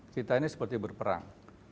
kita ini seperti berperang